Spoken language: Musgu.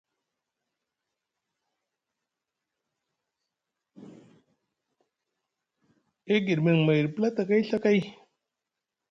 E giɗimiŋ mayɗi platakay Ɵa kay.